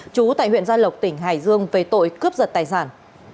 trú tại huyện gia lộc tỉnh hải dương về tội cướp giật tài sản